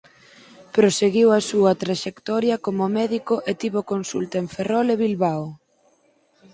Proseguiu a súa traxectoria como médico e tivo consulta en Ferrol e Bilbao.